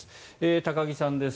高木さんです。